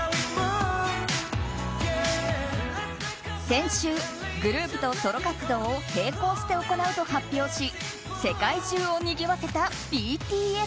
先週グループとソロ活動を並行して行うと発表し世界中をにぎわせたＢＴＳ。